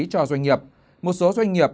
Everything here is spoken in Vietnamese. cho doanh nghiệp một số doanh nghiệp